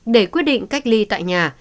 để quyết định cách ly tại nhà